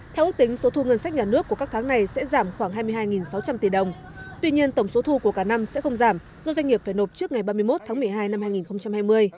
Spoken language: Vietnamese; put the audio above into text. theo ước tính số thu ngân sách nhà nước của các tháng này sẽ giảm khoảng hai mươi hai sáu trăm linh tỷ đồng tuy nhiên tổng số thu của cả năm sẽ không giảm do doanh nghiệp phải nộp trước ngày ba mươi một tháng một mươi hai năm hai nghìn hai mươi